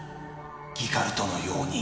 ギガルトのように。